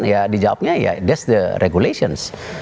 ya dijawabnya ya that s the regulations